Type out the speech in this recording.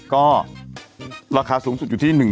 ก็ราคาสูงสุดอยู่ที่๑๐๐